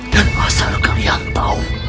dan asalkan kalian tahu